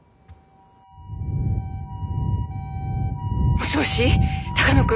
もしもし鷹野君？